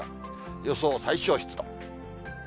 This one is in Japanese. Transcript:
予想最小湿度。